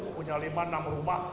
punya lima enam rumah